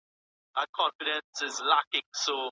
ولي زیارکښ کس د ذهین سړي په پرتله ډېر مخکي ځي؟